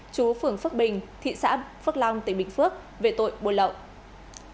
chú phường phước bình thị xã phước long tỉnh bình phước về tội buôn lậu